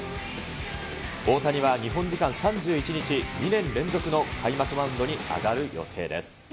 大谷は日本時間３１日、２年連続の開幕マウンドに上がる予定です。